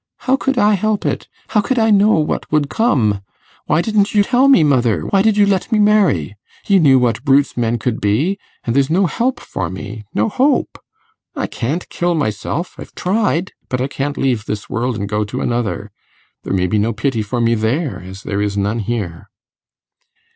How could I help it? How could I know what would come? Why didn't you tell me, mother? why did you let me marry? You knew what brutes men could be; and there's no help for me no hope. I can't kill myself; I've tried; but I can't leave this world and go to another. There may be no pity for me there, as there is none here.